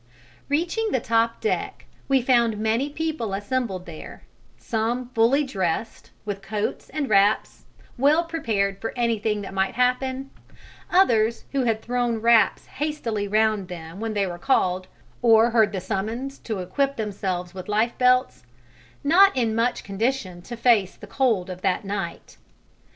Reaching the top deck, we found many people assembled there, some fully dressed, with coats and wraps, well prepared for anything that might happen; others who had thrown wraps hastily round them when they were called or heard the summons to equip themselves with lifebelts not in much condition to face the cold of that night.